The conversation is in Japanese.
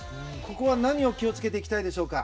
ここは何を気をつけていけばいいでしょうか。